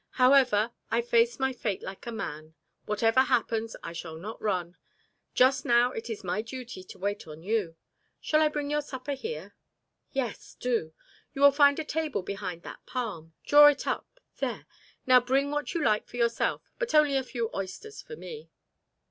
However, I face my fate like a man; whatever happens, I shall not run. Just now it is my duty to wait on you. Shall I bring your supper here?" "Yes do. You will find a table behind that palm. Draw it up. There. Now bring what you like for yourself, but only a few oysters for me."